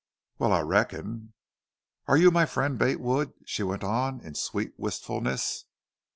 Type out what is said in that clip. "Wal, I reckon." "Are you my friend, Bate Wood?" she went on in sweet wistfulness.